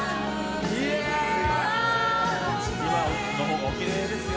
今のほうがおきれいですよ。